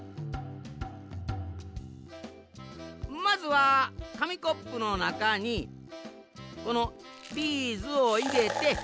まずはかみコップのなかにこのビーズをいれて。